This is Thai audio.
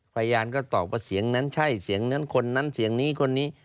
พยานก็ตอบว่าเสียงนั้นใช่เสียงนั้นคนนั้นเสียงนี้คนนี้